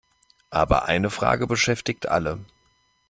Aber eine Frage beschäftigt alle.